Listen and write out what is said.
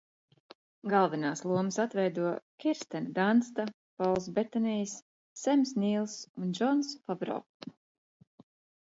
Galvenās lomas atveido Kirstena Dansta, Pols Betanijs, Sems Nīls un Džons Favro.